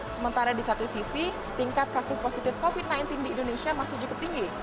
sementara di satu sisi tingkat kasus positif covid sembilan belas di indonesia masih cukup tinggi